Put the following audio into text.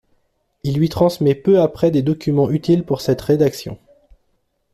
Il lui transmet peu après des documents utiles pour cette rédaction.